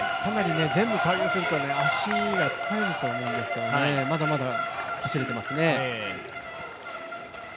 全部対応すると足が疲れると思うんですけどまだまだ走れていますね。